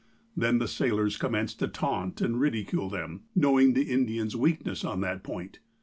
Then the sailors commenced to taunt and ridicule them, knowing the Indians' weakness on that point.